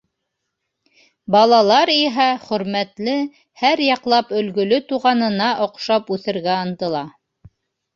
Балалар иһә хөрмәтле, һәр яҡлап өлгөлө туғанына оҡшап үҫергә ынтыла.